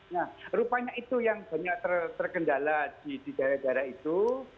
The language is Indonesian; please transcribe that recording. nah rupanya itu yang banyak terkendala di daerah daerah itu